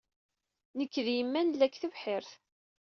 Nekk d yemma nella deg tebḥirt.